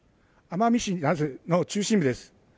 奄美市名瀬の中心部です。